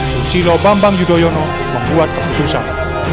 susilo bambang yudhoyono membuat keputusan